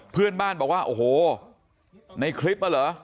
เพื่อนบ้านบอกว่าโอ้โหในคลิปมาเหรอ